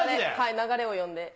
流れを読んで。